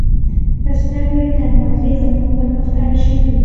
د زدکړې دروازې زما پر مخ تړل شوې وې